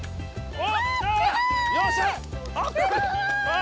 お！